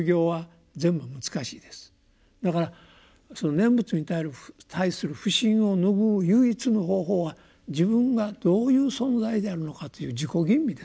だからその念仏に対する不信を拭う唯一の方法は自分がどういう存在であるのかという自己吟味ですね。